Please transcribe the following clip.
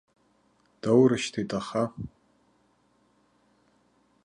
Доурышьҭит аха?